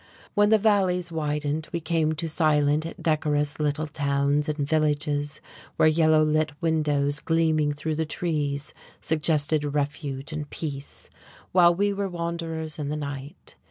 Where the valleys widened we came to silent, decorous little towns and villages where yellow lit windows gleaming through the trees suggested refuge and peace, while we were wanderers in the night.